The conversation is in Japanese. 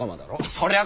そりゃあ